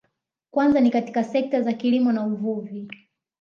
Kwanza ni katika sekta za kilimo na uvuvi